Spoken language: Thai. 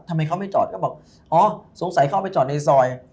ทำไมเขาไม่จอดก็บอกอ๋อสงสัยเข้าไปจอดในซอย